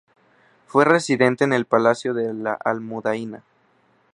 Fue residente en el Palacio de la Almudaina.